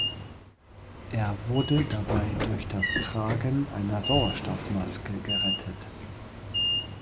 Er wurde dabei durch das Tragen einer Sauerstoffmaske gerettet.